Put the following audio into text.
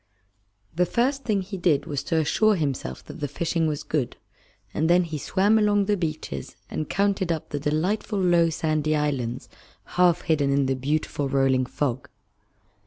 The first thing he did was to assure himself that the fishing was good, and then he swam along the beaches and counted up the delightful low sandy islands half hidden in the beautiful rolling fog.